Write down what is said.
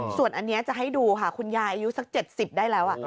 ส่วนอันเนี้ยจะให้ดูค่ะคุณยายอายุสักเจ็ดสิบได้แล้วอะ